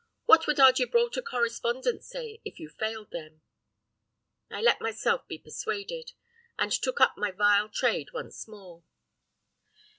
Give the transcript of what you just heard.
What would our Gibraltar correspondents say if you failed them?' "I let myself by persuaded, and took up my vile trade once more.